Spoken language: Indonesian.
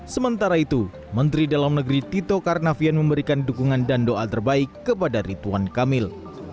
sementara itu menteri dalam negeri tito karnavian memberikan dukungan dan doa terbaik kepada rituan kamil